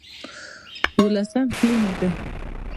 يوولسم تلين يې دی